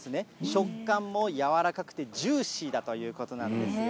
食感も柔らかくてジューシーだということなんですよ。